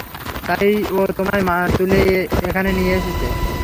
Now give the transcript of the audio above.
তাই ও তোমায় তুলে এখানে নিয়ে এসেছে।